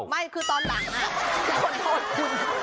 ไม่คือตอนหลังค่ะคนโทษตัวเอง